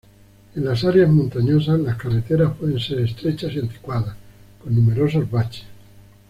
En las áreas montañosas, las carreteras pueden ser estrechas y anticuadas con numerosos baches.